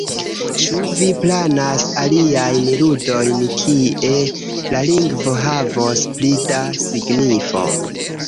Ĉu vi planas aliajn ludojn, kie la lingvo havos pli da signifo?